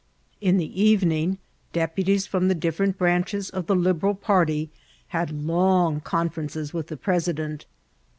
In the evening deputies from the different branches of the Liberal party had long conferences with the premdent.